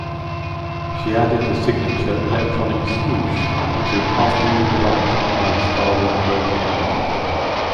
She added the signature electronic "swoosh" to "Afternoon Delight" by the Starland Vocal Band.